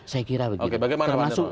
saya kira begitu